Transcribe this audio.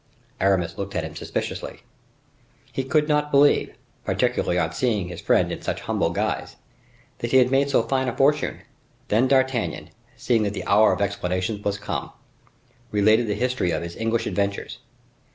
Aramis looked at him suspiciously. He could not believe—particularly on seeing his friend in such humble guise—that he had made so fine a fortune. Then D'Artagnan, seeing that the hour of explanations was come, related the history of his English adventures.